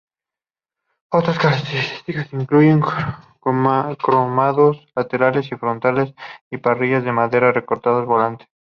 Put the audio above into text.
Otras características incluyen cromados laterales y frontales y parrillas de madera recortada-volante.